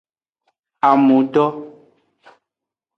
Amudo.